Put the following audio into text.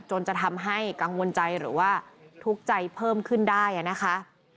จะทำให้กังวลใจหรือว่าทุกข์ใจเพิ่มขึ้นได้นะคะ